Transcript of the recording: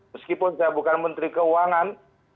meskipun saya bukan menteri keuangan